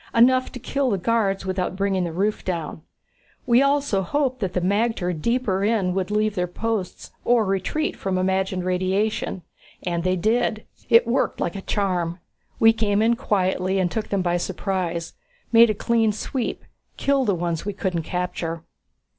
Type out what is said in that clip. Enough to kill the guards without bringing the roof down. We also hoped that the magter deeper in would leave their posts or retreat from the imagined radiation. And they did. It worked like a charm. We came in quietly and took them by surprise. Made a clean sweep killed the ones we couldn't capture."